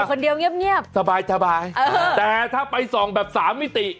รอคนเดียวเงียบสบายแต่ถ้าไปส่องแบบสามมิติ